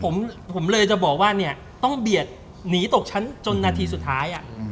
ผมเลยจะบอกว่าเนี่ยต้องเบียดหนีตกชั้นจนนาทีสุดท้าย